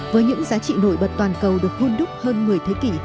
với những giá trị nổi bật toàn cầu được hôn đúc hơn một mươi thế kỷ